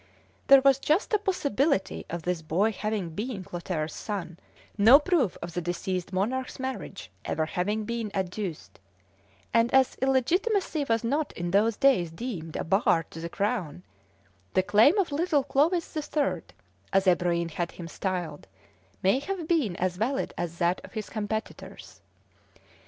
There was just a possibility of this boy having been Clotaire's son, although an illegitimate one, no proof of the deceased monarch's marriage ever having been adduced; and as illegitimacy was not in those days deemed a bar to the crown, the claim of little Clovis the Third, as Ebroin had him styled, may have been as valid as that of his competitors.